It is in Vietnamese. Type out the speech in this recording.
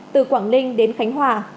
từ quảng ninh đến khánh hòa